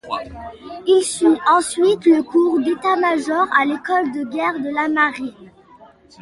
Il suit ensuite le cours d’état-major à l’école de Guerre de la Marine.